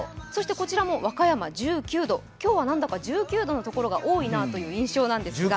こちらも和歌山１９度、今日は何だか１９度の所が多いなという印象ですが。